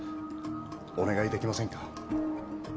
お願いできませんか？